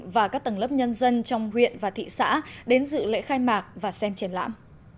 và các tầng lớp nhân dân trong huyện và thị xã đến dự lễ khai mạc và xem triển lãm